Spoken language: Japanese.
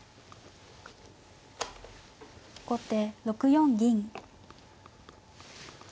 後手６四銀。